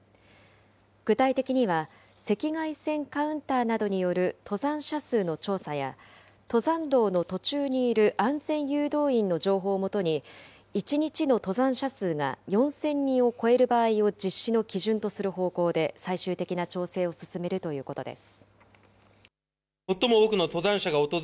具体的には、赤外線カウンターなどによる登山者数の調査や、登山道の途中にいる安全誘導員の情報を基に、１日の登山者数が４０００人を超える場合を実施の基準とする方向で最終的な調整を進めるということです。